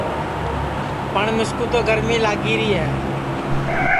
پٹؔ مِسکُو تو گرمی لگی ری ہے